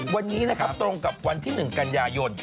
วันนี้ตรงกับวันที่๑กันยายน